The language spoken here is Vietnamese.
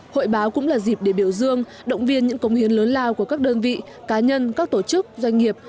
hội báo cũng là dịp để biểu dương động viên những công hiến lớn lao của các đơn vị cá nhân các tổ chức doanh nghiệp